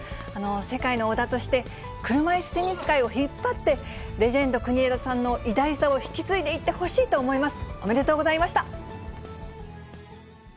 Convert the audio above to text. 世界の小田として、車いすテニス界を引っ張って、レジェンド、国枝さんの偉大さを引き継いでいってほしいと思います。